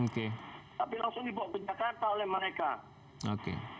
tapi langsung dibawa ke jakarta oleh mereka